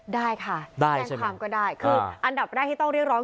ได้ค่ะแจ้งความก็ได้คืออันดับแรกที่ต้องเรียกร้อง